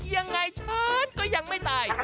ยังไงฉันก็ยังไม่ตาย